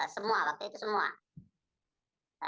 semua waktu itu semua